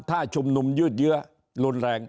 ถ้าชุมนุมยืดเยื้อรุนแรง